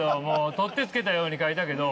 取って付けたように書いたけど。